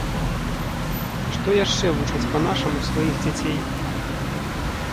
Што яшчэ вучаць па-нашаму сваіх дзяцей.